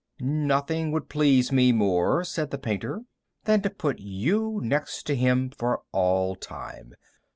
"Nothing would please me more," said the painter, "than to put you next to him for all time.